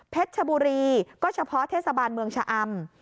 ชบุรีก็เฉพาะเทศบาลเมืองชะอำ